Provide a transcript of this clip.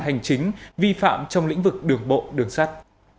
hành chính vi phạm trong lĩnh vực đường bộ đường sắt